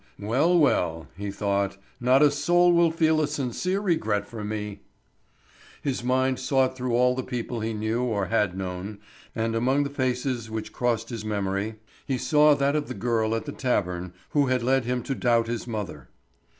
"Well, well," he thought, "not a soul will feel a sincere regret for me." His mind sought through all the people he knew or had known, and among the faces which crossed his memory he saw that of the girl at the tavern who had led him to doubt his mother.